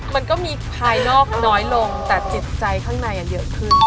มันก็มีภายนอกน้อยลงแต่จิตใจข้างในเยอะขึ้น